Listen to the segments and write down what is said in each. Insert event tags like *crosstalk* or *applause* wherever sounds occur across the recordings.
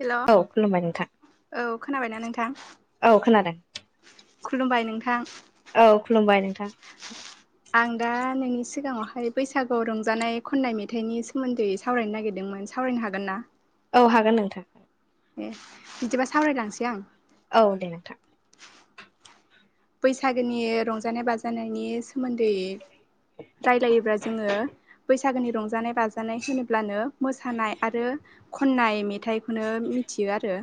Hello औ खुलुमबाय नोंथां औ खोनाबायना नोंथां औ खोनादों खुलुमबाय नोंथां औ खुलुमबाय नोंथां आं दा नोंनि सिगाङाव ओमफ्कय बैसागुआव रंजानाय खन्नाय मेथाइनि सोमोन्दै सावरायनो नागिरदोंमोन सावरायनो हागोन ना? औ हागोन नोंथां ए बिदिबा सावरायलांसै आं औ दे नोंथां बैसागोनि रंजानाय बाजानायनि सोमोन्दै *unintelligible* रायलायोब्ला जोङो बैसागोनि रंजानाय बाजानाय होनोब्लानो मोसानाय आरो खन्नाय मे ठ मेथाइखौनो मिथियो आरो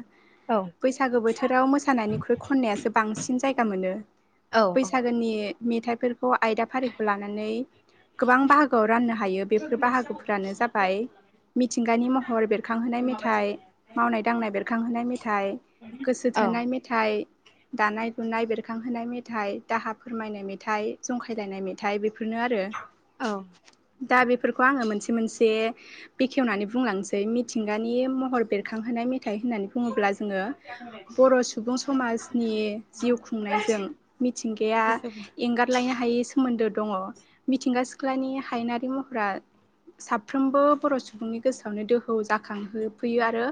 औ बैसागो बोथोराव मोसानायनिख्रुइ खन्नायासो बां जायो गा मोनो औ औ बैसागोनि मेथाइफोरखौ आयदा फारिखौ लानानै गोबां बाहागोआव राननो हायो बेफोर बाहागोफोरानो जाबाय मिथिंगानि महर बेरखांहोनाय मेथाइ मावनाय दांनाय बेरखांहोनाय मेथाइ गोसो औ थोनाय मेथाइ दानाय लुनाय बेरखांहोनाय मेथाइ दाहा फोरमायनाय मेथाइ जंखायलायनाय मेथाइ बे फोरनो आरो औ दा बेफोरखौ आङो मोनसे मोनसे बेखेवनानै बुंलांनोसै मिथिंगानि महर बेरखांहोनाय मि थाइ होननानै बुङोब्ला जोङो बर' सुबुं समाजनि जिउ खु नायजों मिथिंगाया एंगारलाय नो हायै सोमोन्दो दङ मिथिंगा सिख्लानि हायनारि महरा साफ्रोमबो बर' सुबुंनि गोसोआवनो दोहौ जाखांहोफैयो आरो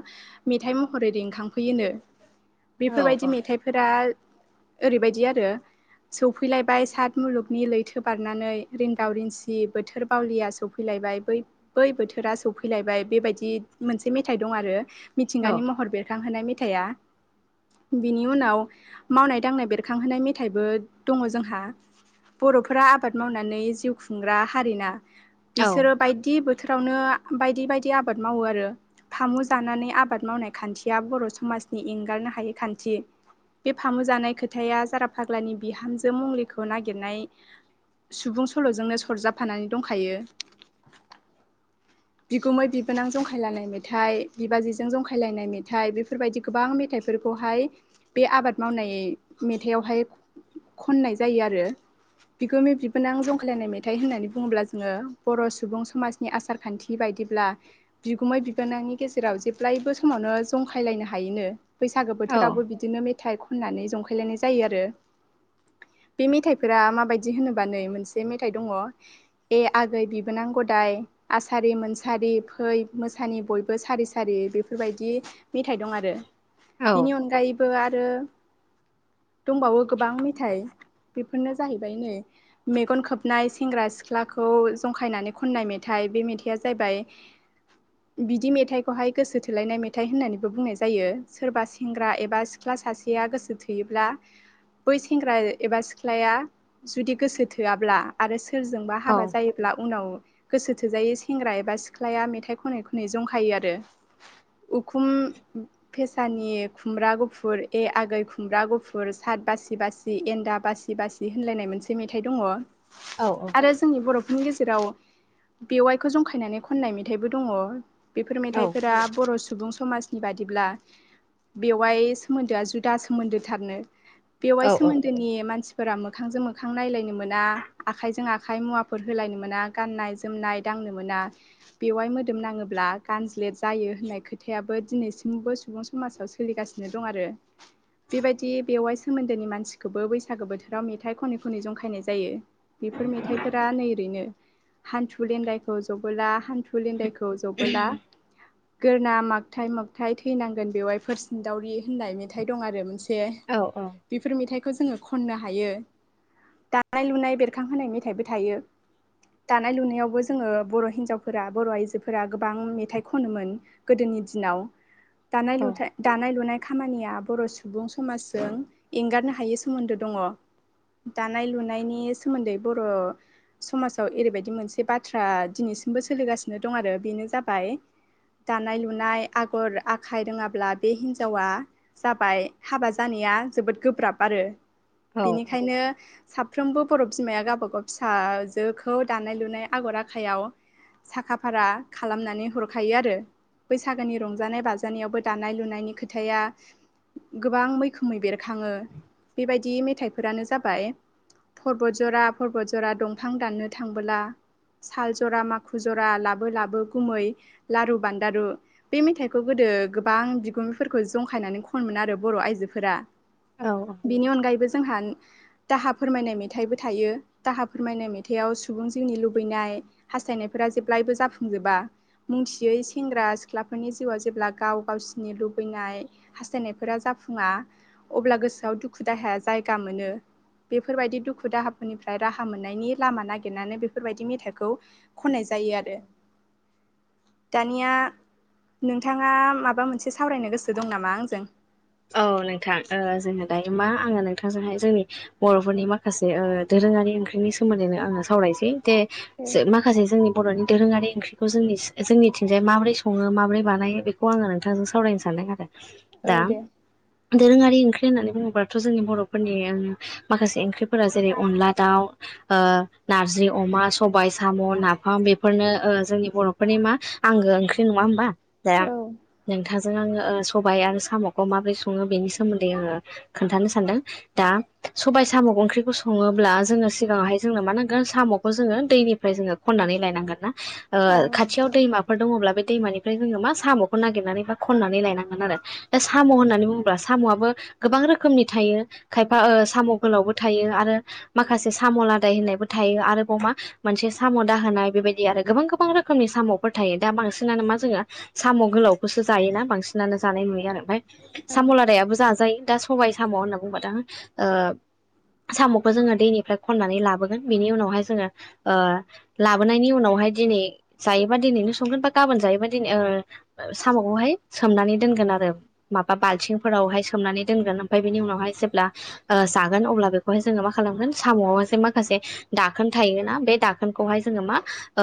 मेथाइ महरै रिखां फैयोनो औ बेफोरबादि मेथाइफोरा ओरैबायदि आरो सौफैलायबाय सात मुलुगनि लैथो बारनानै *inaudible* बै बोथोरा बेबायदि मोनसे मेथाइ दं आरो औ मिथिंगानि महर बेरखांहोनाय मेथाइआ बिनि उनाव मावनाय दांनाय बेरखांहोनाय मेथाइबो दङ जोंहा बर'फोरा आबाद मावनानै जिउ खुंग्रा हारिना बिसोरो बायदि बो बोथोरावनो बायदि बायदि आबाद मावो आरो फामु जानानै आबाद मावनाय खान्थिया बर' समाजनि एंगारनो हायै खान्थि। बे फामु जानाय खोथाया जारा फाग्लानि बिहामजो मुंलिखौ नागिरनाय सुबुं सल'जोंनो सरजाबफानानै दंखायो। बिगुमै बिबोनां जंखायलायनाय मेथाइ बिबाजैजों जंखायलायनाय मेथाइ बेफोरबायदि गोबां मेथाइ फोरखौहाय बे आबाद मावनाय मेथाइयावहाय खननाय जायो आरो बिगुमै बिबोनां जंखालायनाय मेथाइ होननानै बुङोब्ला जोङो बर' सुबुं समाजनि आसार खान्थि बाय दिब्ला बिगुमै बिबोनांनि गेजेराव जेब्लायबो समावनो जंखायलायनो हायोनो। बैसागो औ बोथोरावबो बिदिनो मेथाइ खननानै जंखायलायनाय जायो आरो बे मेथाइफोरा माबायदि होनोबा नै मोनसे मेथाइ दङ ए आगै बिबोनां गदाय आसारि मोनसारि फै मोसानि बयबो सारि सारि बेफोरबायदि मेथाइ दं आरो औ औ बिनि अनगायैबो आरो दंबावो गोबां मेथाइ बेफोरनो जाहैबाय नै मेगन खोबनाय सेंग्रा सिख्लाखौ जंखायनानै खननाय मेथाइ बे मेथाइया जाहैबाय बिदि मेथाइखौहाय गोसो थोलायनाय मेथाइ होननानैबो बुंनाय जायो सोरबा सेंग्रा एबा सिख्ला सासेया गोसोथो योब्ला बै सेंग्रा एबा सिख्लाया जुदि गोसो थोआब्ला आरो सोरजोंबा हाबा जायोब्ला उनाव गोसो थोजायै सेंग्रा एबा सिख्लाया मेथाइ खनै खनै जंखायो आरो उखुम फेसानि खुमब्रा गुफुर ए आगै खुम ब्रा गुफुर सात बासि बासि एन्दा बासि बासि होनलायनाय मोनसे मेथाइ दङ। औ आरो जोंनि बर' नि गेजेराव बेवाइखौ जंखायनानै खननाय मेथाइबो दङ। बेफोर मेथाइफोरा बर' सुबुं समाजनि बादिब्ला बेवाय सोमोन्दोआ जुदा सोमोन्दोथारनो बेवाय सोमोन्दोनि मानसि फोरा मोखांजों मोखां नायलायनो मोना आखाइजों आखाइ मुवाफोर होलायनो मोना गाननाय जोमनाय दां मोना बेवाय मोदोम नाङोब्ला गानज्लेद जायो होननाय खोथायाबो दिनैसिमबो सुबुं समाजाव सोलिगासिनो दं आरो बेबायदि बेवाइ सोमोन्दोनि मानसिखोबो बैसागो बोथोराव मेथाइ खनै खनै जंखायनाय जायो बेफोर मेथाइफोरा नै ओरैनो हान्थु लेन्दायखौ जबोला हान्थु लेन्दाय खौ जबोला गोरोना मागथाय मागथाय थैनांगोन बेवहायफोर सिनदावरि होननाय मेथाइ दं आरो माखासे बेफोर मेथाइखौ जोङो खननो हायो। दानाय लुनाय बेरखांहोनाय मेथाइबो थायो। दानाय लुनायावबो जोङो बर' हिनजावफोरा बर' आइजोफोरा गोबां मेथाइ खनोमोन गोदोनि दिनाव दानाय लुथाइ दानाय लुनाय खामानिया बर' सुबुं सुबुं समाजजों एंगारनो हायै सोमोन्दो दङ। दानाय लुनायनि सोमोन्दै बर' समाजाव एरैबायदि मोनसे बाथ्रा दिनै सिमबो सोलिगासिनो दं आरो बेनो जाबाय दानाय लुनाय आगर आखाइ रोङाब्ला बे हिन्जावा जाबाय हाबा जानाया जोबोद गोब्राब आरो बेनिखायनो साफ्रोमबो बर' बिमाया गाबागाव फिसाजोखौ दानाय लुनाय आगर आखाइयाव साखा फारा खालामनानै हरखायो आरो। बैसागोनि रंजानाय बाजानायावबो दानाय लुनायनि खोथाया गोबां मैखोमै बेरखाङो। बेबायदि मेथाइफोरानो जाबाय फरबतझरा फरबतझरा दंफां दाननो थांबोला साल जरा माखु जरा लाबो लाबो गुमै लारु बान्दारु, बे मेथाइखौ गोदो दो गोबां बिगुमैफोरखौ जंखायनानै ख'नोमोन आरो बर' आइजोफोरा। औ औ बिनि अनगायैबो जोंहा दाहा फोरमायनाय मेथाइबो थायो। दाहा फोरमायनाय मेथाइआव सुबुं जिउनि लुबैनाय हास हास्थायनायफोरा जेब्लायबो जाफुंजोबा। मुथियै सेंग्रा सिख्लाफोरनि जिउआव जेब्ला गाव गावसिनि नि लुबैनाय हास्थायनायफोरा जाफुङा अब्ला गोसोआव दुखु दाहाया जायगा मोनो। बेफोरबायदि दुखु दाहाफोरनिफ्राय राहा मोननायनि लामा नागिरनानै बेफोरबायदि मेथाइखौ खननाय जा जायो आरो। दानिया नोंथाङा माबा मोनसे सावरायनो गोसो दं नामा आंजों? औ नोंथां ओ जोङो दायो मा आङो नोंथांजोंहाय जोंनि बर'फोरनि माखासे ओ दो रोङारि ओंख्रिनि सोमोन्दैनो आङो सावरायसै। दे ए जो माखासे जोंनि बर'नि दोरोङारि ओंख्रिखौ जोंनि जोंनिथिंजाय माबोरै सङो माबोरै बानायो बेखौ आङो नोंथांजों सावरायनो सानदों आरो। औ दा दे। दोरोङारि ओंख्रि होननानै बुङोब्लाथ' जोंनि बर'फोरनि ओम माखासे ओंख्रिफोरा जेरै अनला दाउ, ओ नारजि अमा, सबाय, साम', नाफाम बेफोरनो ओ जोंनि बर'फोरनि मा, आंगो ओंख्रि नङा होमबा? दा औ नोंथांजों आङो सबाय आरो साम' खौ माबोरै सङो बेनि सोमोन्दै आङो खोन्थानो सानदों। दा सबाय साम' ओंख्रिखौ सङो ब्ला जोङो सिगाङावहाय जोंनो मा होनांगोन साम'खौ जोङो दैनिफ्राय जोङो खननानै लायनांगोन ना? ओ औ खाथियाव दैमाफोर दङब्ला बे दैमानिफ्राय जोङो मा साम'खौ नागिरनानै बा खनानै लायनांगोन आरो दा साम' होननानै बुङोब्ला साम'आबो गोबां रोखोमनि थायो। खायफा ओ साम' गोलावबो थायो आरो माखासे साम' लादाय होननायबो थायो। आरोबाव मा मोनसे साम' दाहोनाय बेबायदि आरो गोबां गोबां रोखोमनि साम'फोर थायो। दा दा बांसिनानो मा जोङो साम' गोलावखौसो जायोना, बांसिनानो जानाय नुयो आरो। ओमफाय औ साम' लादायाबो जाजायो। दा सबायाइ साम' होनना बुंबा दा ओ साम'खो जोङो दैनिफ्राय खन्नानै लाबोगोन। बिनि उनावहाय जोङो ओ लाबोनायनि उनाव हाय दिनै जायोबा दिनैनो संगोन बा गाबोन जायोबा दिनै ओ साम'खौहाय सोमनानै दोन गोन आरो। माबा बाल्थिंफोरावहाय सोमनानै दोनगोन ओमफाय बेनि उनावहाय जेब्ला जागोन अब्ला बेखौहाय जोङो मा खा खालामगोन साम'आव जे माखासे दोखोन थायोना, बे दाखोनखौहाय जोङो मा ओ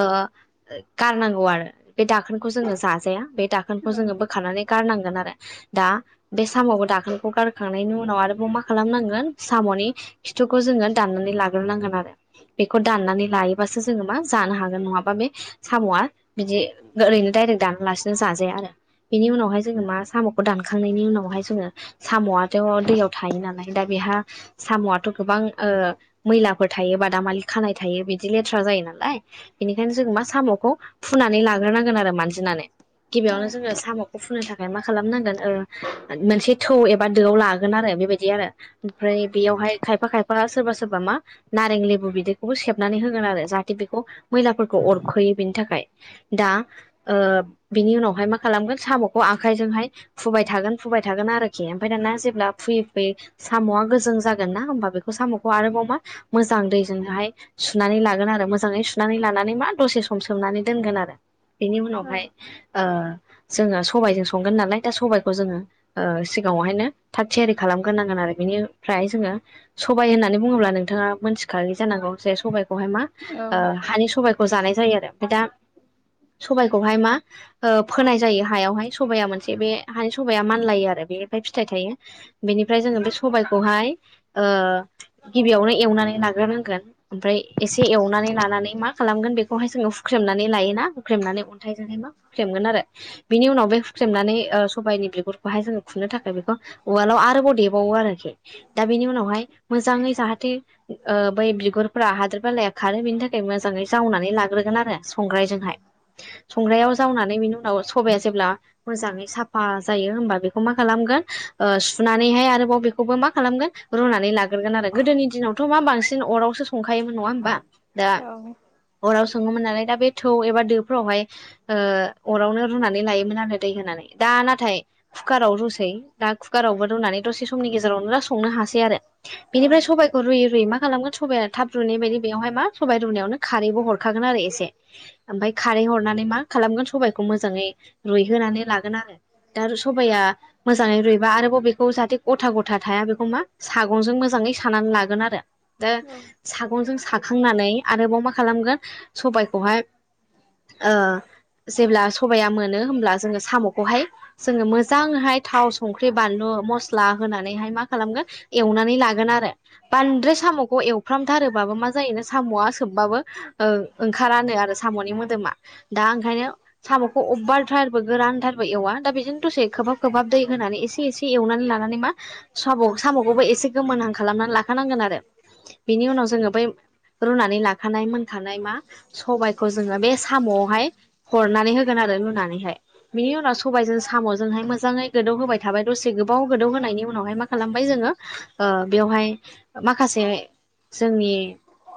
गारनांगौ आरो। बे दाखोनखौ जोङो जाजाया। बे दाखोनखौ औ जोङो बोखानानै गारनांगोन आरो। दा बे साम'खौ दाखोनखौ गारखांनायनि उनाव आरोबाव मा खालामनांगोन साम'नि खिथुखौ जों जोङो दाननानै लागोरनांगोन आरो बेखौ दाननानै लायोबासो जोङो मा जानो हागोन नङाबा बे साम'आ बिदि ओरैनो डाइरेक्ट दानालासिनो जाजाया आरो बिनि उनावहाय जोङो मा साम' खौ दानखांनायनि उनावहाय जोङो साम'आथ' दैयाव थायो नालाय, दा बेहा साम'आथ' गोबां ओ मैलाफोर थायो बादामालि खानाय थायो, बिदि लेथ्रा जायो नालाय। बेनिखायनो जों मा सा साम'खौ फुनानै लाग्रोनांगोन आरो मानजिनानै। औ गिबियावनो जोङो साम'खौ फुनो थाखाय मा खालामनां गोन ओलट मोनसे थौ एबा दोआव लागोन आरो बेबायदि आरो ओमफ्राय बेयावहाय खायफा खायफा फा सोरबा सोरबा मा नारें लेबु बिदैखौबो सेबनानै होगोन आरो जाहाथे बेखौ मैलाफोरखौ अरख'यो। यो बिनि थाखाय। दा ओ बिनि उनावहाय मा खालामगोन साम'खौ आखाइजोंहाय फुबाय थागोन फुबाय थागोन आरोखि ओमफय दाना जेब्ला फुयै फुयै साम'आ गोजों जागोन ना होमबा बेखौ साम'खौ आरोबाव मा मोजां दैजोंहाय सुनानै लागोन आरो मोजाङै सुनानै लानानै मा दसे सम सोमनानै दोननो आरो बेनि उनावहाय ओ जोंहा सबायजों संगोन नालाय। दा सबायखौ जोङो ओ सिगाङावहायनो थाग थियारि खालामगोरनांगोन आरो बिनिफ्राय जोङो सबबाय होननानै बुङोब्ला नोंथाङा मोनथिखायो जानांगौ जे सबाइखौहाय मा औ ओ हानि सबाय जानाय जायो आरो ओमफाय दा सबाइखौहाय मा ओ फोनाय जायो हायावहाय सबाया मोन से बे हानि सबाया मानलायो आरो बेनिय फिथाइ थायो बेनिफ्राय जोङो बे सबायाइखौहाय ओ ओ गिबियावनो एवनानै लाग्रोनांगोन ओमफ्राय एसे एवनानै लानानै मा खालामगोन बेखौहाय जोङो हु ख्रेमनानै लायोना हुख्रेमनानै अन्थाइजोंहाइ माुख्रेमगोन आरो बिनि उनाव बे नानै सबायनि बिगुरखौहाय जो खुनो थाखाय बेखौ उवालाव आरोबाव देबावो आरोखि दा नि उनावहाय मोजाङै जाहाथे ओ बै बिगुरफ हादोर बेलाया खारो बेनि थाखाय मोजाङै जावनानै लाग्रोगोन आरो संग्रायजोंहाय संग्रायाव जावनानै बिनि उनाव सबाया जेब्ला मोजाङै साफा जायो होनबा बेखौ मा खालामगोन सुनानैहाय आरोबाव बेखौबो मा खालामगोन रुनानै लाग्रोगोन आरो गोदोनि दिनावथ' मा बांसिन अरावसो संखायोमोन नङा होमबा दा औ अराव सङोमोन नालाय दा बे थौ एबा दोफ्रावहाय ओ अरावनो रुनानै लायोमोन आरो दै होनानै दा नाथाय कुकार आाव रुसै दा कुकार आावबो रुनानै दसे समनि गेजेरावनोा संनो हायो। मासे आरो औ बिनिफ्राय सबायखौ रुयै रुयै मा खालामगोन सबाइया थाब रुनाय बायदि बेयावहाय मा सबाइ रुनायावनो खारैबो हरखागोन आरो एसे ओमफाय खारै ए हरनानै मा खालामगोन सबायखौ मोजाङै होनानै लागोन आरो दा सबाया मोजाङै रुइबा आरो बबे खौ जाथे गथा गथा थाया बेखौ मा सागंजों मै सानानै लागोन आरो दा सागंजों साखांनानै आरोबाव मा खालामगोन सबायखौ *unintelligible* ओ जेब्ला सबाया मोनो होमब्ला जोङो साम'खौहाय जोङो मोजांहाय थाव संख्रि बानलु मस्ला होनानैहाय मा खालामगोन एवनानै लागोन आरो बान्द्राय साम'खौ एवफ्रामथारोबाबो मा जायोोनो साम'आ सोबबाबो ओंखारानो आरो साम'नि मोदोमा दा ओंखायनो साम'खौ अबेबा गोरानथारबो एवा दा बेजोंनो दसे खोबहाब खोबहाब दै होनानै एसे एसे एवनानै लानानै मा साबाव साम'खौबो एसे गोमोनहां खालामनानै लाखानांगोन आरो बिनि उनाव जोङो बै रुनानै लाखानाय मोनखानाय मा सबबायखौ जोङो बे साम'आवहाय हरनानै होगोन आरो लुनानैहाय बिनि उनाव सबायजों साम'जोंहाय मोजाङै गोदौ होबाय थाबाय दसे गोबाव गोदौ होनायनि उनावहाय मा खालामबाय जोङो बेयावहाय माखासे जोंनि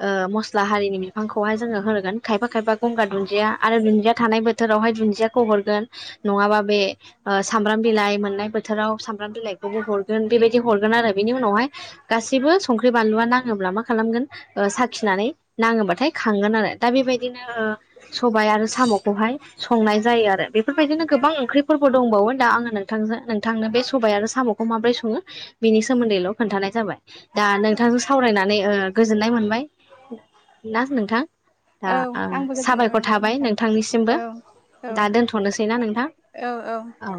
ओ मस्ला हारिनि फांखौहाय जोङो होगोन खायफा खायफा गंगार दुन्दिया आरो दुन्दिया थानाय बोथोरावहाय दुन्दियाखौ हरगोन नङाबा बे ओ सामब्राम बिलाइ मोननाय बोथोराव सामब्राम बिलाइखौबो हरगोन बेबायदि हरगोन बेनि उनावहाय गासैसिबो संख्रि बानलुआ नाङोब्ला मा खालामगोन साखिनानै नाङो बाथायोन आरो दा बेबायदिनो ओ सबाय आरो साम'खौहाय संनाय जायो आरो बे बेफोरबायदिनो गोबां ओंख्रिफोरबो दंबावो दा आङो नोंथां नोंथांनो बे सबाय आरो साम'खौ माबोरै सङो बिनि सोमोन्दैल' खोन्थानाय जाबाय। दा नोंथांजों सावरायनानै गोजोननाय मोनबाय ना नोंथां दा आंबो गोजोननाय साबायखर मोनबाय थाबाय नोंथां नोंथांनिसिमबो औ औ दा दोनथ' सैना नोंथां औ